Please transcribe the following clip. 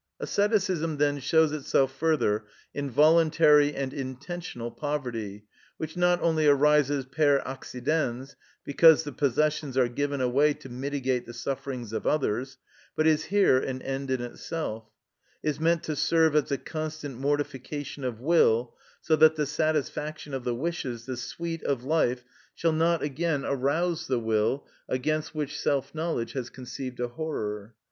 Asceticism then shows itself further in voluntary and intentional poverty, which not only arises per accidens, because the possessions are given away to mitigate the sufferings of others, but is here an end in itself, is meant to serve as a constant mortification of will, so that the satisfaction of the wishes, the sweet of life, shall not again arouse the will, against which self knowledge has conceived a horror.